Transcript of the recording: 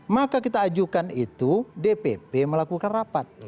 maka kita ajukan itu dpp melakukan rapat